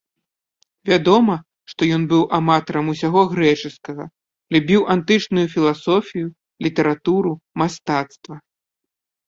Вядома, што ён быў аматарам усяго грэчаскага, любіў антычную філасофію, літаратуру, мастацтва.